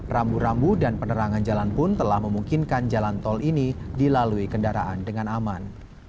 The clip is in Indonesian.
rambu rambu dan penerangan jalan pun telah memungkinkan jalan tol ini dilalui kendaraan dengan aman